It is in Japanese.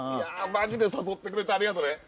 マジで誘ってくれてありがとね